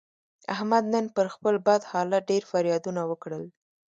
احمد نن پر خپل بد حالت ډېر فریادونه وکړل.